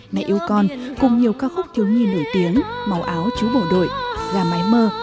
này yêu con cùng nhiều ca khúc thiếu nhi nổi tiếng màu áo chú bổ đội gà mái mơ